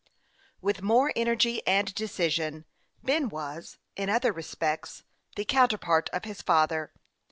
With more energy and decision, Ben was, in other respects, the counterpart of his father.